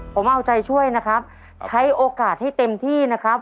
ผมเอาใจช่วยนะครับใช้โอกาสให้เต็มที่นะครับ